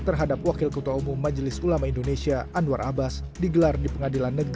sebelum masuk ke ruang persidangan pihak anwar abbas menyatakan